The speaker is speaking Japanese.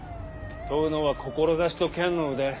問うのは志と剣の腕。